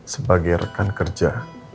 sebagai rekan kerja